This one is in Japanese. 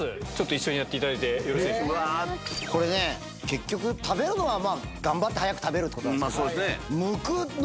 これね結局食べるのは頑張って早く食べるってこと。